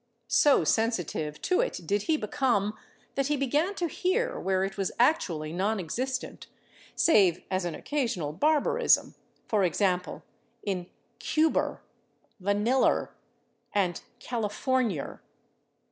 " So sensitive to it did he become that he began to hear where it was actually non existent, save as an occasional barbarism, for example, in /Cuba r/, /vanilla r/ and /California r